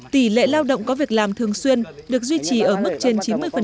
tỷ lệ lao động có việc làm thường xuyên được duy trì ở mức trên chín mươi